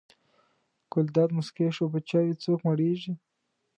ګلداد موسکی شو: په چایو څوک مړېږي.